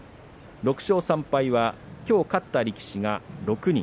３敗はきょう勝った力士が６人。